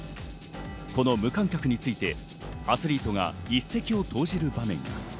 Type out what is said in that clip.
この無観客についてアスリートが一石を投じる場面が。